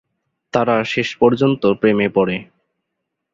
তারা শেষ পর্যন্ত প্রেমে পড়ে।